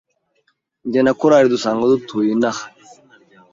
Jye na Karoli dusanzwe dutuye inaha